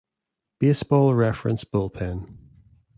Baseball Reference Bullpen